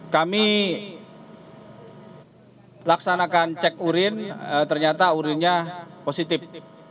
kami laksanakan cek urin ternyata urinnya positif